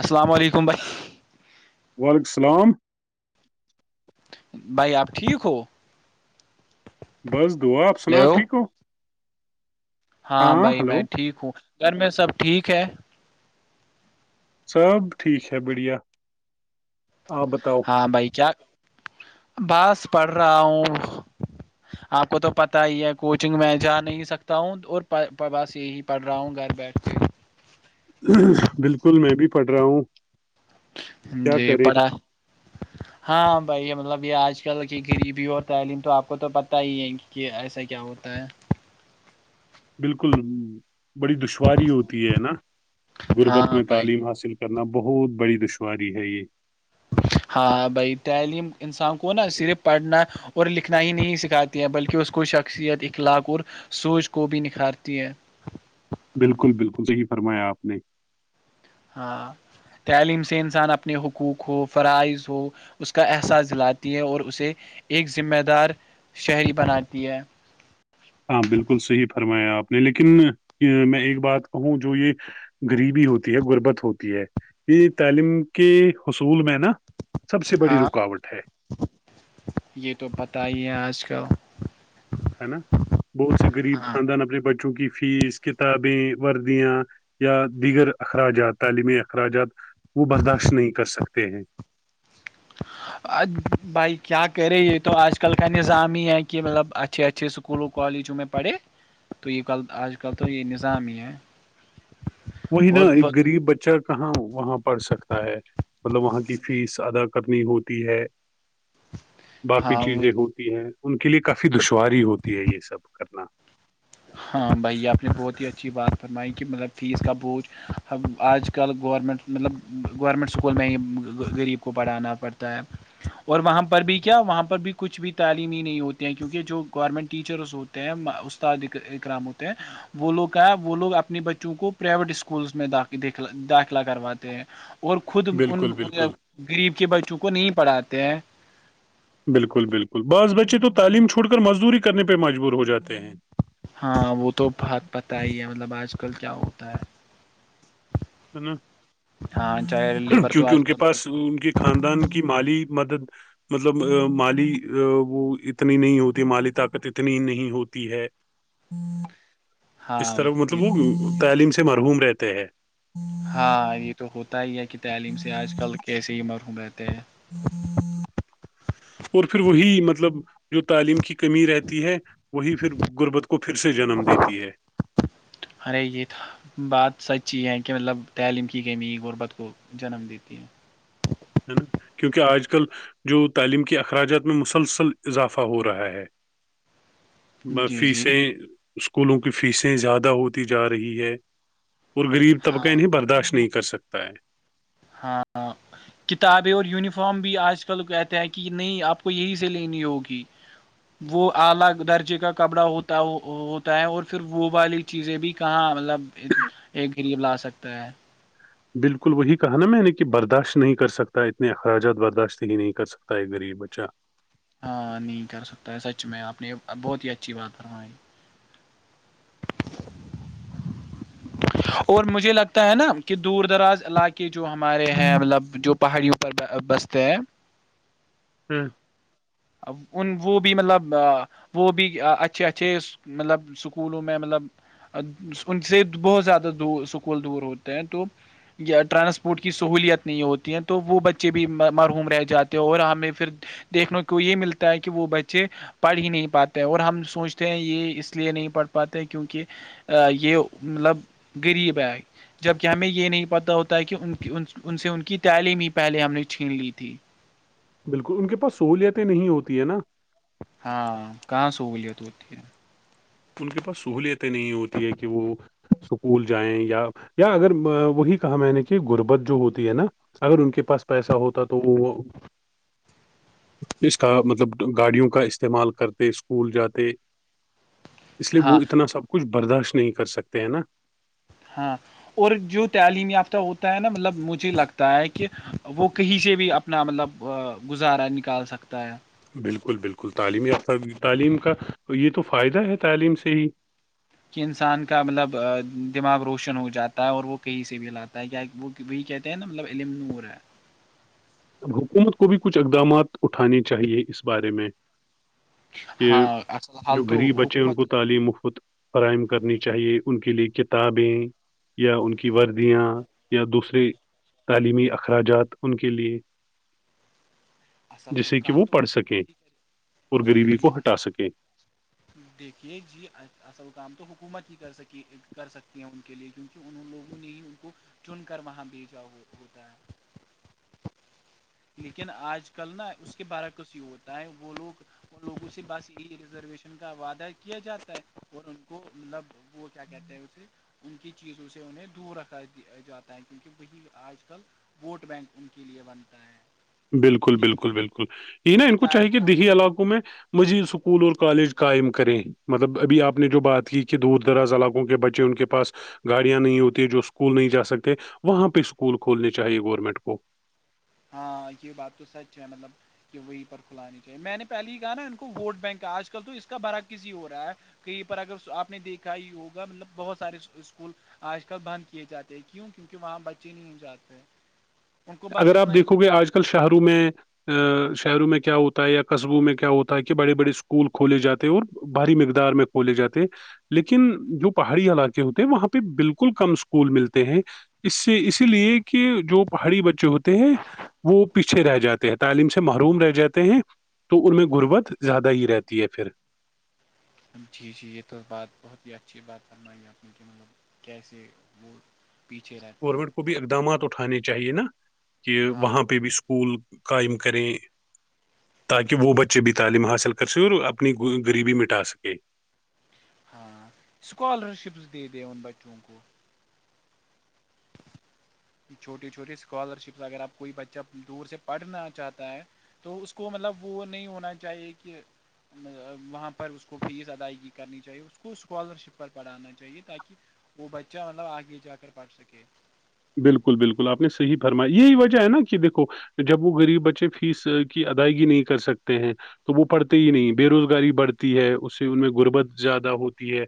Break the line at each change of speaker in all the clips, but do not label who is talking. السلام علیکم بھائی-
وعلیکم السلام-
بھائی آپ ٹھیک ہو-
بس دعا آپ سنا
ہیلو
ٹھیک ہو-
ہاں بھائی میں ٹھیک ہوں گھر میں سب ٹھیک ہے-
سب ٹھیک ہے بڑھیا آپ بتاؤ-
ہاں بھائی کیا بس پڑھ رہا ہوں- آپ کو تو پتا ہی ہے کوچنگ میں جا نہیں سکتا ہوں اور بس یہی پڑھ رہا ہوں گھر بیٹھ کے-
بالکل میں بھی پڑھ رہا ہوں- کیا
جی
کرے
پھا ہاں بھائی مطلب یہ آج کل کی غریبی اور تعلیم تو آپ کو تو پت ہی ہے کہ ایسا کیا ہو- ہوتا ہے-
بالکل بڑی دشواری ہوتی ہے نا غربت
ہاں
میں
بھائی
تعلیم حاصل- کرنا بہت بڑی دشواری ہے یہ-
ہاں بھائی تعلیم انسان کو نا صرف پڑھنا اور لکھنا ہی نہیں سکھاتی- بلکہ اس کو شخصیت اخلاق اور سوج کو بھی نکھارتی ہیں-
بالکل- بالکل صحیح فرمایا آپ نے
ہاں تعلیم سے انسان اپنے حقوق ہو فرائض ہو- اس کا احساس دلاتی ہے اور اسے ایک ذمہ دار شہری بناتی ہے-
ہاں بالکل صحیح فرمایا آپ نے لیکن میں ایک بات کہوں جو یہ- غریبی ہوتی ہے غربت ہوتی ہے یہ تعلیم کے حصول میں نا- سب سے بڑی
ہاں
رکاوٹ ہے
یہ تو پت ہی ہے آج کل-
ہے نا بہت سے غریب
ہاں
خاندان اپنے بچوں کی فیس کتابیں وردیاں- یا دیگر اخراجات تعلیمی اخراجات وہ برداشت نہیں کر سکتے ہیں-
بھائی کیا کرے یہ تو آج کل کا نظام ہی ہے کہ مطلب اچھا- اچھا سکولو کالجو میں پڑے تو یہ ک آج کل تو یہ نظام ہی ہے-
وہی نا
اور
ایک غریب بچہ- کہاں وہاں پڑھ سکتا ہے مطلب وہاں کی فیس ادا کرنی ہوتی ہے- باقی
ہاں وہ
چیزیں
تو
ہوتی ہیں ان کے لیے کافی دشواری ہوتی ہے یہ سب کرنا-
ہاں بھائی آپ نے بہت ہی اچھی بات فرمائی کہ مطلب فیس کا بوجھ- ہم آج کل گورمنٹ مطلب گورمنٹ اسکول میں ہی غریب کو پڑھانا پڑتا ہے- اور وہاں پر بھی کیا وہاں پر بھی کچھ بھی تعلیم ہی نہیں ہوتے ہیں کیونکہ جو گورنمنٹ ٹیچرس ہوتے ہیں اس گرام ہوتے ہیں وہ لوگ کا وہ لوگ اپنے بچوں کو پرائیویٹ اسکولس میں داخلہ کرواتے ہیں اور خود ان
بالکل بالکل
غریب کے بچوں کو نہیں پڑھاتے ہیں
بالکل بالکل بعض بچے تو تعلیم چھوڑ کر مزدوری کرنے پہ مجبور ہو جاتے ہیں
ہاں وہ تو بت پت ہی ہے مطلب آج کل کیا ہوتا ہے
ہے نا
ہاں چاہے لیبر تو
کیونکہ
آج
ان کے
کل بڑی
پاس ان کے خاندان کی مالی مدد مطلب مالی وہ اتنی نہیں ہوتی مالی طاقت اتنی نہیں ہوتی ہے اس
ہاں
طرح مطلب
یہ
وہ تعلیم سے مرحوم رہتے ہیں [unintelligible]
ہاں یہ تو ہوتا ہی ہے کہ تعلیم سے آج کل کیسے ہی مرحوم رہتے ہیں [inaudible]
اور پھر وہی مطلب جو تعلیم کی کمی رہتی ہے وہی پھر غربت کو پھر سے جنم دیتی ہے
ارے یہ تھا [unintelligible] بات سچ ہی ہے کہ مطلب تعلیم کی کمی غربت کو جنم دیتی ہے
ہے نا کیونکہ آج کل جو تعلیم کے اخراجات میں مسلسل اضافہ ہو رہا ہے
[inaudible] جی جی
فیسیں اسکولوں کی فیسیں زیادہ ہوتی جا رہی ہے اور غریب طبقہ
ہاں
انہیں برداشت نہیں کر سکتا ہے
ہاں [unintelligible] کتابیں اور یونیفارم بھی آج کل کہتے ہیں کہ نہیں آپ کو یہی سے لینی ہوگی وہ اعلی درجے کا کپڑا ہوتا ہوتا ہے اور پھر وہ والی چیزیں بھی کہاں مطلب ایک غریب لا سکتا ہے
بالکل وہی کہا نا میں نے کہ برداشت نہیں کر سکتا اتنے اخراجات برداشت ہی نہیں کر سکتا ایک غریب بچہ [unintelligible]
ہاں نہیں کر سکتا ہے سچ میں آپ نے بہت ہی اچھی بات فرمائی اور مجھے لگتا ہے نا کہ دور دراز علاقے جو ہمارے ہیں مطلب جو پہاڑیوں پر بستے ہیں [unintelligible]
ہوں [unintelligible]
ان وہ بھی مطلب وہ بھی اچھے اچھے مطلب سکولوں میں مطلب ان سے بہت زیادہ د سکول دور ہوتے ہیں تو یا ٹرانسپورٹ کی سہولیت نہیں ہوتی ہیں تو وہ بچے بھی مرحوم رہ جاتے ہیں اور ہمیں پھر دیکھنے کو یہ ملتا ہے کہ وہ بچے پڑھ ہی نہیں پاتے اور ہم سوچتے ہیں یہ اس لیے نہیں پڑھ پاتے کیونکہ یہ مطلب غریب آئیئے جبکہ ہمیں یہ نہیں پتتا ہوتا ہے کہ ان ان سے ان کی تعلیم ہی پہلے ہم نے چھین لی تھی
بالکل ان کے پاس سہولیتیں نہیں ہوتی ہے نا
ہاں کہاں سےو بولی تو اتی
ان کے پاس سہولیتیں نہیں ہوتی ہے کہ وہ سکول جائیں یا یا اگر وہی کہا میں نے کہ غربت جو ہوتی ہے نا اگر ان کے پاس پیسہ ہوتا تو وہ
جی [inaudible]
اس کا مطلب گاڑیوں کا استعمال کرتے اسکول جاتے اس لیے
ہاں
وہ اتنا سب کچھ برداشت نہیں کر سکتے ہیں نا
ہاں اور جو تعلیم یافتہ ہوتا ہے نا مطلب مجھے لگتا ہے کہ وہ کہیں سے بھی اپنا مطلب گزارا نکال سکتا ہے
بالکل بالکل تعلیمی افر تعلیم کا یہ تو فائدہ ہے تعلیم سے ہی [unintelligible]
کہ انسان کا مطلب دماغ روشن ہو جاتا ہے اور وہ کہیں سے بھی لاتا ہے کیا وہ وہی کہتے ہیں نا مطلب علم نور ہے
حکومت کو بھی کچھ اقدامات اٹھانے چاہیے اس بارے میں کہ
ہاں اصل حال
جو
تو
غریب بچے ہیں ان کو
حکومت ہی
تعلیم مفت فراہم کرنی چاہیے ان کے لیے کتابیں یا ان کی وردیاں یا دوسرے تعلیمی اخراجات ان کے لیے
اصل
جس سے کہ
کام
وہ
تو
پڑھ سکیں
حکومت ہی کرے
اور
جی
غریبی
جی
کو ہٹا سکیں
دیکھیے جی اصل کام تو حکومت ہی کر سکی کر سکتی ہیں ان کے لیے کیونکہ ان لوگوں نے ہی ان کو چن کر وہاں بھیجا ہوتا ہے لیکن آج کل نا اس کے بارہ کسی ہی ہوتا ہے وہ لوگ اور لوگوں سے بس یہی ریزرویشن کا وعدہ کیا جاتا ہے اور ان کو مطلب وہ کیا کہتے ہیں اسے ان کی چیزوں سے انہیں دور رکھا جاتا ہے کیونکہ وہی آج کل ووٹ بینک ان کے لیے بنتا ہے
بالکل
کیونکہ
بالکل بالکل یہ نا
جو
ان کو چاہیے
تعلیم
دیہی علاقوں میں مزید اسکول اور کالج قائم کریں مطلب ابھی آپ نے جو بات کی کہ دور دراز علاقوں کے بچے ان کے پاس گاڑیاں نہیں ہوتی جو اسکول نہیں جا سکتے وہاں پہ اسکول کھولنے چاہیے گورنمنٹ کو
ہاں یہ بات تو سچ ہے مطلب کہ وہیں پر کھلانی چاہے میں نے پہلے ہی کہا نا ان کو ووٹ بینک کا آج کل تو اس کا بھرا کسی ہو رہا ہے کہیں پر اگر آپ نے دیکھا ہی ہوگا مطلب بہت سارے اسکول آج کل بند کیے جاتے ہیں کیوں کیونکہ وہاں بچے نہیں ہو جاتے ان کو بس
اگر آپ
اتنا ہی
دیکھو گے
پتا
آج کل شہروں میں ا شہروں میں کیا ہوتا ہے یا قصبوں میں کیا ہوتا ہے کہ بڑے بڑے اسکول کھولے جاتے ہیں اور بھاری مقدار میں کولے جاتے لیکن جو پہاڑی علاقے ہوتے ہیں وہاں پہ بالکل کم اسکول ملتے ہیں اس سے اسی لیے کہ جو پہاڑی بچے جو ہوتے ہیں وہ پیچھے رہ جاتے ہیں تعلیم سے محروم رہ جاتے ہیں تو ان میں غربت زیادہ ہی رہتی ہے پھر
جی جی یہ تو بات بہت ہی اچھی بات کرناائ گے اپ میں کہ مطلب کیسے وہ پیچھے رہتا ہے
گورنمنٹ کو بھی اقدامات اٹھانے چاہیے نا کہ
ہاں
وہاں پہ بھی اسکول قائم کریں تاکہ وہ بچے بھی تعلیم حاصل کر کر س اور اپنی غریبی مٹا سکے
ہاں اسکالرشپس دے د ان بچوں کو چھوٹی چھوٹی اسکالرشپس اگر اپ کوئی بچہ دور سے پڑھنا چاہتا ہے تو اس کو مطلب وہ نہیں ہونا چاہیے کہ وہاں پر اس کو فیس ادائیگی کرنی چاہیے اس کو اسکالرشپ پر پڑھانا چاہیے تاکہ وہ بچہ مطلب آگے جا کر پڑھ سکے
بالکل بالکل آپ نے صحیح فرما یہی وجہ ہے نا کہ دھو جب وہ غریب بچے فیس کی ادائیگی نہیں کر سکتے ہیں تو وہ پڑھتے ہی نہیں بے روزگاری بڑھتی ہے اس سے ان میں غربت زیادہ ہوتی ہے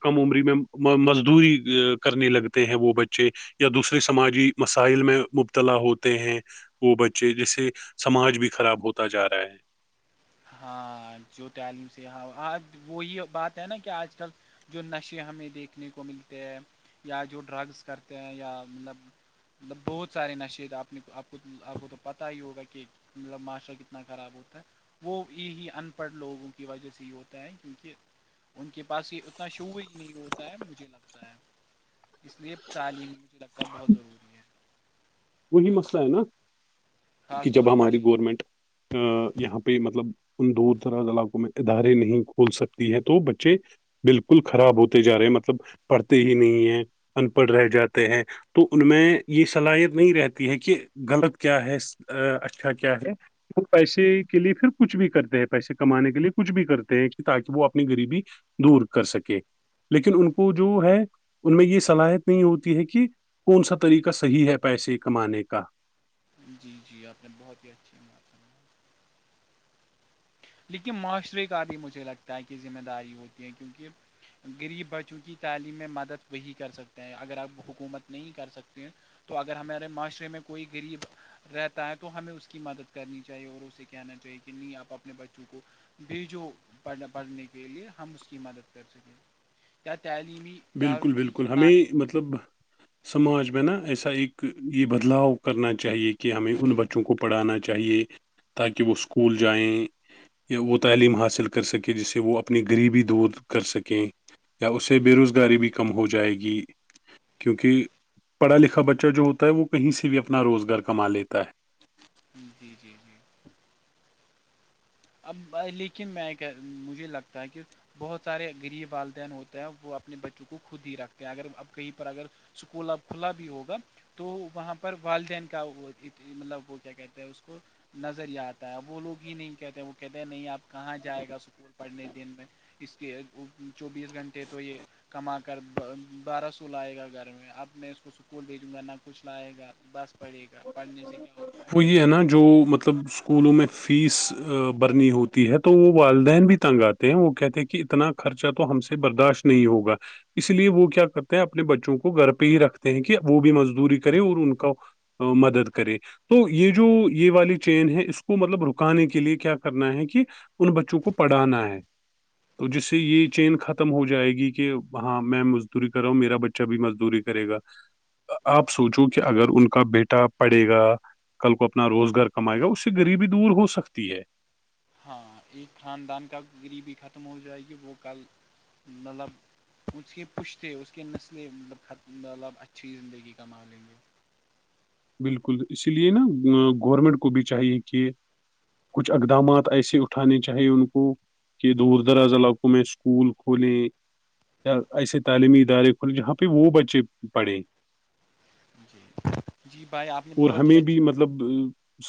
کم عمری میں مزدوری کرنے لگتے ہیں وہ بچے یا دوسرے سماجی مسائل میں مبتلا ہوتے ہیں وہ بچے جس سے سماج بھی خراب ہوتا جا رہا ہے
ہاں جو تعلیم سے ہاں آج وہی بات ہے نا کہ آج کل جو نشے ہمیں دیکھنے کو ملتے ہیں یا جو ڈرگس کرتے ہیں یا مطلب مطلب بہت سارے نشے آپ نے آپ کو آپ کو تو پتا ہی ہوگا کہ مطلب معاشرا کتنا خراب ہوتا ہے وہ یہ ہی پڑ لوگوں کی وجہ سے یہ ہوتا ہے کیونکہ ان کے پاس ہی اتنا شوب ہی نہیں ہوتا ہے مجھے لگتا ہے اس لیے تعلیمی مجھے لگنا بہت ضروری ہے
وہی مسئلہ ہے نا کہ
خاص طور
جب
پر
ہماری
یہ-
گورمنٹ یہاں پہ مطلب ان دور دراز علاقوں میں ادارے نہیں کھول سکتی ہے تو بچے بالکل خراب ہوتے جا رہے ہیں مطلب پڑھتے ہی نہیں ہیں ان پڑھ رہ جاتے ہیں تو ان میں یہ صلاحیت نہیں رہتی ہے کہ غلط کیا ہے اچھا کیا ہے وہ پیسے کے لیے پھر کچھ بھی کرتے ہیں پیسے کمانے کے لیے کچھ بھی کرتے ہیں تاکہ وہ اپنی غریبی دور کر سکے لیکن ان کو جو ہے ان میں یہ صلاحیت نہیں ہوتی ہے کہ کون سا طریقہ صحیح ہے پیسے کمانے کا
جی جی آپ نے بہت ہی اچھیات س لیکن معاشرے کا بھی مجھے لگتا ہے کہ ذمہ داری ہوتی ہے کیونکہ غریب بچوں کی تعلیم میں مدد وہی کر سکتے ہیں اگر آپ حکومت نہیں کر سکتے ہیں تو اگر ہمارے معاشرے میں کوئی غریب رہتا ہے تو ہمیں اس کی مدد کرنی چاہیے اور اسے کہنا چاہیے کہ نہیں آپ اپنے بچوں کو بھیجو پڑھنے کے لیے ہم اس کی مدد کر سکیں کیا تلی بھی
بالکل بالکل ہمیں مطلب سماج میں نا ایسا ایک یہ بدلاؤ کرنا چاہیے کہ ہمیں ان بچوں کو پڑھانا چاہیے تاکہ وہ اسکول جائیں یا وہ تعلیم حاصل کر سکے جس سے وہ اپنی غریبی دور کر سکیں یا اس سے بے روزگاری بھی کم ہو جائے گی کیونکہ پڑھا لکھا بچہ جو ہوتا ہے وہ کہیں سے بھی اپنا روزگار کما لیتا ہے
جی جی جی اب لیکن میں مجھے لگتا ہے کہ بہت سارے غریب والدین ہوتے ہیں وہ اپنے بچوں کو خود ہی رکھتے ہیں اگر اب کہیں پر اگر اسکول اب کھلا بھی ہوگا تو وہاں پر والدین کا مطلب وہ کیا کہتے ہیں اس کو نظریا آتا ہے وہ لوگ ہی نہیں کہتے وہ کہتے نہیں آپ کہاں جائے گا اسکول پڑھنے دن میں اس کے چوبیس گھنٹے تو یہ کما کر بارہ سو لائے گا گھر میں اب میں اس کو سکول بھیجوں گا نہ کچھ لائے گا بس پڑے گا پڑنے سے کیاگ
وہ یہ ہے نا جو مطلب اسکولوں میں فیس برنی ہوتی ہے تو وہ والدین بھی تنگ آتے ہیں وہ کہتے ہیں کہ اتنا خرچہ تو ہم سے برداشت نہیں ہوگا اس لیے وہ کیا کرتے ہیں اپنے بچوں کو گھر پہ ہی رکھتے ہیں کہ وہ بھی مزدوری کرے اور ان کا ا مدد کرے تو یہ جو یہ والی چین ہے اس کو مطلب رکانے کے لیے کیا کرنا ہے کہ ان بچوں کو پڑھانا ہے تو جس سے یہ
جی
چین ختم ہو جائے گی کہ ہاں میں مزدوری کرا ہ میرا بچ ب مزدوری کرے گا آپ سوچو کہ اگر ان کا بیٹا پڑھے گا کل کو اپنا روزگار کمائے گا اس سے غریبی دور ہو سکتی ہے
ہاں ایک خاندان کا گری بھی ختم ہو جائے گی وہ کل مطلب اس کے پشتے اس کے نسلیں مطلب اچھی زندگی کما لیں گے
بالکل اسی لیے نا گورنمنٹ کو بھی چاہیے کہ کچھ اقدامات ایسے اٹھانے چاہیے ان کو کہ دور دراز علاقوں میں اسکول کھولیں یا ایسے تعلیمی ادارے کھولے جہاں پہ وہ بچے پڑھیں
جی جی بھائی آپ نے
اور
بہت ہی
ہمیں بھی
اچھی
مطلب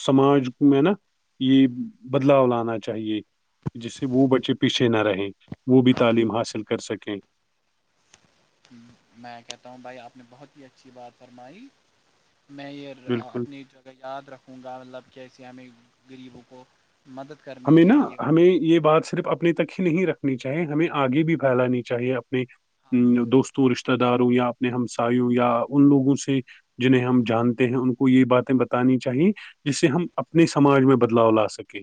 سماج میں نا یہ بدلاؤ لانا چاہیے جس سے وہ بچے پیچھے نہ رہیں وہ بھی تعلیم حاصل کر سکیں
میں کہتا ہوں بھائی آپ نے بہت ہی اچھی بات فرمائی میں یہ
بالکل
اپنی یاد رکھوں گا مطلب کیسے ہمیں غریبوں کو مدد کرنی
ہمیں نا
چاہیے
ہمیں یہ بات صرف اپنے تک ہی نہیں رکھنی چاہیے ہمیں آگے بھی پھیلانی چاہیے اپنے
ہاں
دوستوں رشتتے داروں یا اپنے ہمسایوں یا ان لوگوں سے جنیں ہم جانتے ہیں ان کو یہ باتیں بتانی چاہی جس سے ہم اپنے سماج میں بدلاؤ لا سکیں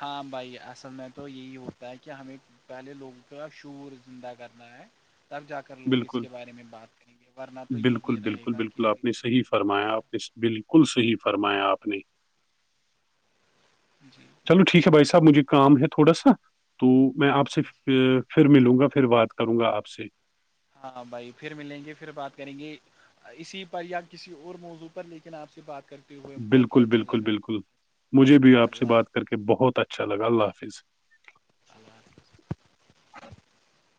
ہاں بھائی اصل میں تو یہی ہوتا ہے کہ ہمیں پہلے لوگوں کا شور زندہ کرنا ہے تب جا کے لوگ اس
بالکل
کے بارے میں بات کریں گے ورنہ تو
بالکل
یہی رہے
بالکل
گا کہ
بالکل آپ نے
غریب
صحیح
کو نہیں
فرمایا
بنایا۔
آپ نے بالکل صحیح فرمایا آپ نے
جی جی
چلو ٹھیک ہے بھائی صاحب مجھے کام ہے تھوڑا سا تو میں آپ سے پھر ملوں گا پھر بات کروں گا آپ سے
ہاں بھائی پھر ملیں گے پھر بات کریں گے اسی پر یا کسی اور موضوع پر لیکن آپ سے بات کرتے ہوئے بہت ہی
بالکل
اچھا
بالکل
لگا
بالکل مجھے بھی آپ سے
اللہ
بات کر کے بہت اچھا لگا اللہ حافظ
ال